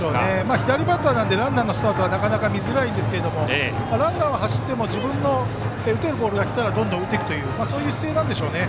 左バッターなのでランナーのスタートは見づらいんですけれどもランナーは走っても自分が打てるボールがきたらどんどん打っていくという姿勢なんでしょうね。